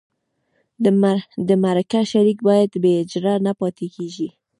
د مرکه شریک باید بې اجره نه پاتې کېږي.